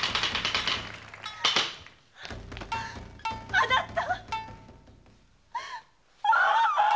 「あなた！」